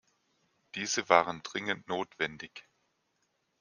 Diese waren dringend notwendig.